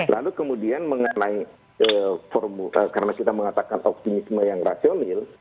lalu kemudian mengenai karena kita mengatakan optimisme yang rasional